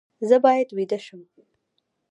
زه باید ویده شم